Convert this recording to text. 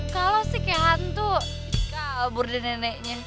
kalau sih kayak hantu kabur deh neneknya